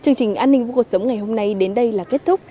chương trình an ninh với cuộc sống ngày hôm nay đến đây là kết thúc